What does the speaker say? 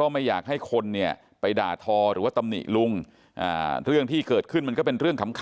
ก็ไม่อยากให้คนเนี่ยไปด่าทอหรือว่าตำหนิลุงเรื่องที่เกิดขึ้นมันก็เป็นเรื่องขำ